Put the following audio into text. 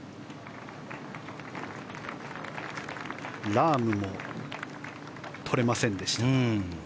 ラームもとれませんでした。